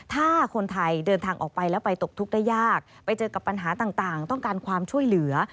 ถ้าคนไทยเดินทางออกไปแล้วไปตกทุกข์ได้ยากไปเจอกับปัญหาต่างต้องการความช่วยเหลือ